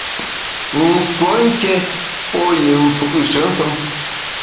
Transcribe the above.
I nsuo nké pô yi mfù’she nsùm.